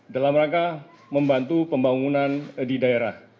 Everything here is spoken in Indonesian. dalam rangka membantu pembangunan di daerah